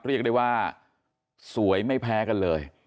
เรียกได้ว่าสวยไม่แพ้กันเลย